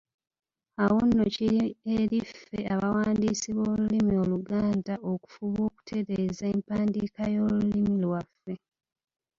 Awo nno kiri eri ffe abawandiisi b'olulimi Oluganda okufuba okutereeza empandiika y'olulimi lwaffe.